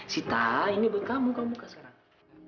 sita ini buat kamu kamu buka sekarang